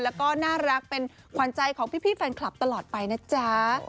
แล้วก็น่ารักเป็นขวัญใจของพี่แฟนคลับตลอดไปนะจ๊ะ